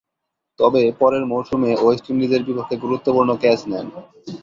তবে, পরের মৌসুমে ওয়েস্ট ইন্ডিজের বিপক্ষে গুরুত্বপূর্ণ ক্যাচ নেন।